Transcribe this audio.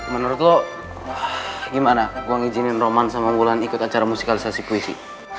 menurut lo gimana gue ngizinin roman sama wulan ikut acara musikalisasi puisi